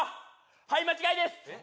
はい間違いです